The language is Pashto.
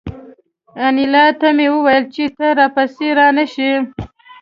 انیلا ته مې وویل چې ته را پسې را نشې